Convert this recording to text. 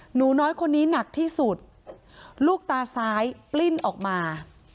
หนูน้อยคนนี้หนักที่สุดลูกตาซ้ายปลิ้นออกมา